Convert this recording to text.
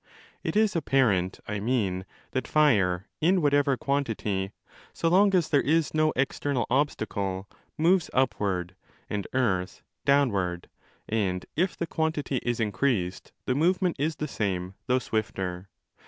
It is 20 apparent, I mean, that fire, in whatever quantity, so long as there is no external obstacle, moves upward, and earth downward ; and, if the quantity is increased, the movement is the same, though swifter.